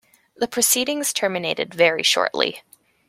The proceedings terminated very shortly.